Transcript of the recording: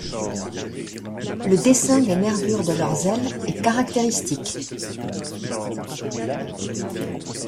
Le dessin des nervures de leurs ailes est caractéristique.